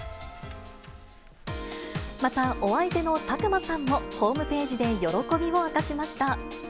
また、お相手の佐久間さんも、ホームページで喜びを明かしました。